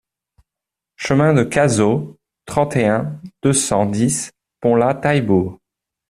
Chemin de Cazaux, trente et un, deux cent dix Ponlat-Taillebourg